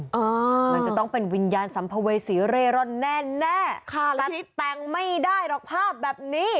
มันจะต้องเป็นวิญญาณสัมภเวษีเร่ร่อนแน่แน่ค่ะตัดแต่งไม่ได้หรอกภาพแบบนี้